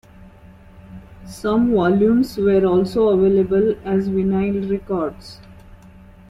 Some volumes were also available as vinyl records.